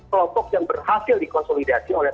kelompok yang berhasil dikonsolidasi oleh